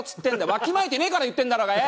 わきまえてねえから言ってんだろうがよ！